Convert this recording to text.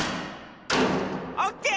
オッケー！